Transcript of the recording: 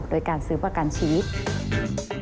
โดยการซื้อประกันชีวิต